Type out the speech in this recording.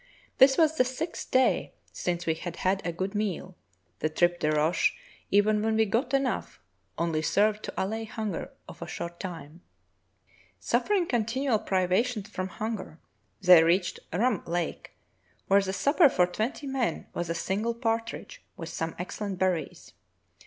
This was the sixth day since we had had a good meal; the tripe de roche, even Franklin on the Barren Grounds when we got enough, only served to allay hunger a short time." Suffering continual privations from hunger, they reached Rum Lake, where the supper for twenty men was a single partridge with some excellent berries.